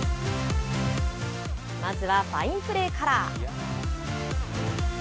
まずはファインプレーから。